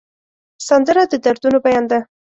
سندره د دردونو بیان ده